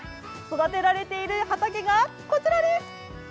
育てられている畑がこちらです。